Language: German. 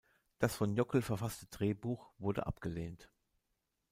Das von Jokl verfasste Drehbuch wurde abgelehnt.